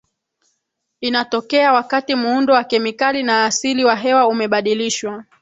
Inatokea wakati muundo wa kemikali na asili wa hewa umebadilishwa